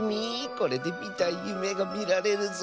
これでみたいゆめがみられるぞ。